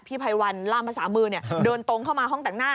ไพวันล่ามภาษามือเดินตรงเข้ามาห้องแต่งหน้า